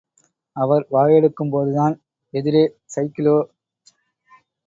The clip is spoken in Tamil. அவர் வாயெடுக்கும்போதுதான், எதிரே சைக்கிளோ.